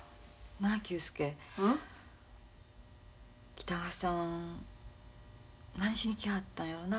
北川さん何しに来はったんやろな？